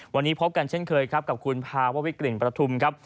วันนี้พบกันเช่นเคยครับกับคุณภาววิกลิ่นประทุมครับ